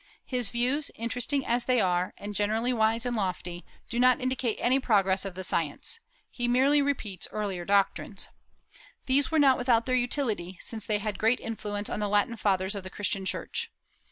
His views, interesting as they are, and generally wise and lofty, do not indicate any progress of the science. He merely repeats earlier doctrines. These were not without their utility, since they had great influence on the Latin fathers of the Christian Church.